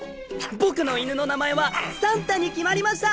僕の犬の名前は「サンタ」に決まりました！